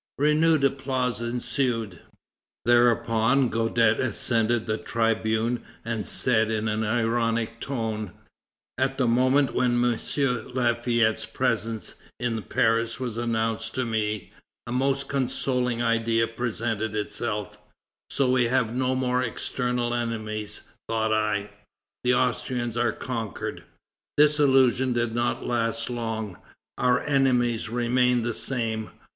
Renewed applause ensued. Thereupon Guadet ascended the tribune and said in an ironic tone: "At the moment when M. Lafayette's presence in Paris was announced to me, a most consoling idea presented itself. So we have no more external enemies, thought I; the Austrians are conquered. This illusion did not last long. Our enemies remain the same.